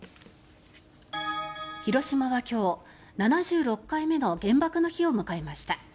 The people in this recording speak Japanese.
広島は今日、７６回目の原爆の日を迎えました。